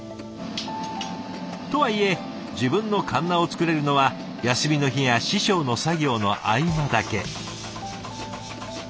とはいえ自分のかんなを作れるのは休みの日や師匠の作業の合間だけ。